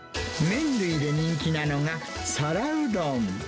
麺類で人気なのが皿うどん。